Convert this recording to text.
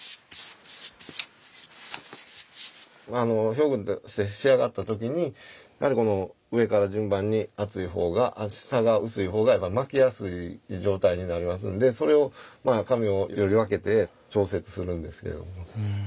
表具として仕上がった時にやはりこの上から順番に厚い方が下が薄い方が巻きやすい状態になりますんでそれを紙をより分けて調節するんですけど。